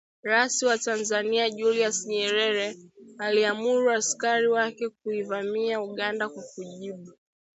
Rais wa Tanzania Julius Nyerere aliamuru askari wake kuivamia Uganda kwa kujibu